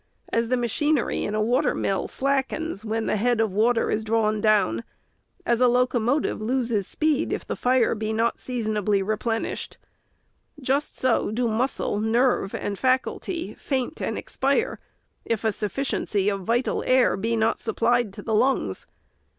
As the ma chinery in a water mill slackens when the head of water is drawn down ; as a locomotive loses speed if the ON SCHOOLHOUSES. 437 fire be not seasonably replenished ; just so do muscle, nerve, and faculty faint and expire, if a sufficiency of vital air be not supplied to the lungs.